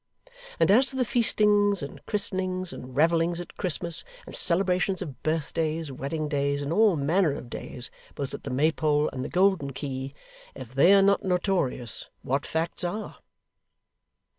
And as to the feastings and christenings, and revellings at Christmas, and celebrations of birthdays, wedding days, and all manner of days, both at the Maypole and the Golden Key, if they are not notorious, what facts are?